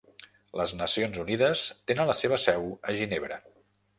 Les Nacions Unides tenen la seva seu a Ginebra.